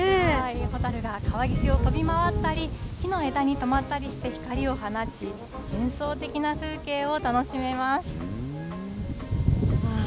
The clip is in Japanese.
ホタルが川岸を飛び回ったり、木の枝に止まったりして、光を放ち、幻想的な風景を楽しめます。